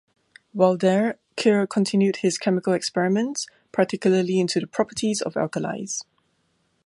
While there, Keir continued his chemical experiments, particularly into the properties of alkalis.